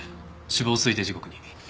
死亡推定時刻に。